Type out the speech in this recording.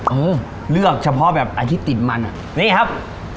เออเลือกเฉพาะแบบไอ้ที่ติดมันอ่ะนี่ครับ